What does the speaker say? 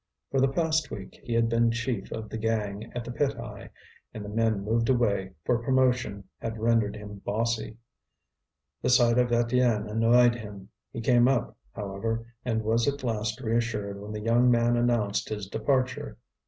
For the past week he had been chief of the gang at the pit eye, and the men moved away, for promotion had rendered him bossy. The sight of Étienne annoyed him; he came up, however, and was at last reassured when the young man announced his departure.